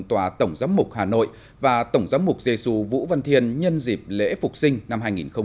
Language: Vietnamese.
tòa tổng giám mục hà nội và tổng giám mục giê xu vũ văn thiên nhân dịp lễ phục sinh năm hai nghìn hai mươi